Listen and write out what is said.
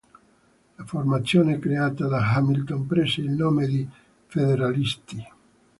La formazione creata da Hamilton prese il nome di Federalisti.